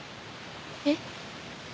えっ？